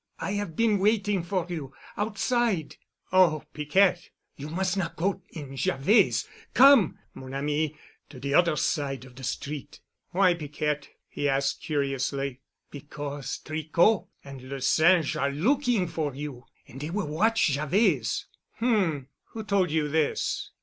"I 'ave been waiting for you—outside——" "Oh, Piquette——" "You mus' not go in Javet's—come, mon ami, to de oder side of de street——" "Why, Piquette?" he asked curiously. "Because Tricot and Le Singe are looking for you and dey will watch Javet's." "H m. Who told you this?"